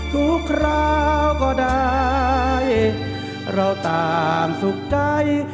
ทุกคราวก็ได้เราตามสุขใจ